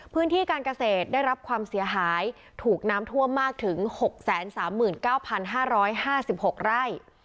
พื้นที่การเกษตรได้รับความเสียหายถูกน้ำท่วมมากถึง๖๓๙๕๕๖ไร่